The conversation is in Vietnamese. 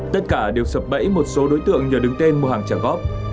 tất cả đều sập bẫy một số đối tượng nhờ đứng tên mua hàng trả góp